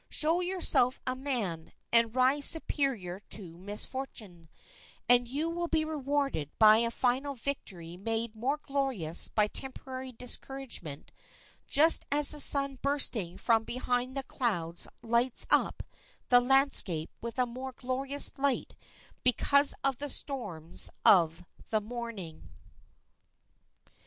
Show yourself a man, and rise superior to misfortune, and you will be rewarded by a final victory made more glorious by temporary discouragement, just as the sun bursting from behind the clouds lights up the landscape with a more glorious light because of the storms of the morning.